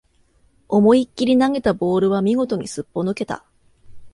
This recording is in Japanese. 思いっきり投げたボールは見事にすっぽ抜けた